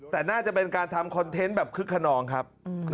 แต่น่าจะเป็นการทำคอนเทนต์แบบคึกขนองครับ